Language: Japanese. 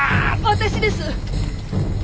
私です！